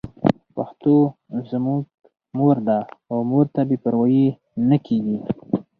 پښتو زموږ مور ده او مور ته بې پروايي نه کېږي.